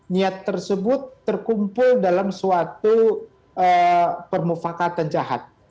niat tersebut terkumpul dalam suatu permufakatan jahat